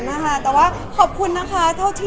พอเสร็จจากเล็กคาเป็ดก็จะมีเยอะแยะมากมาย